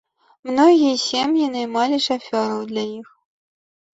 Многія сем'і наймалі шафёраў для іх.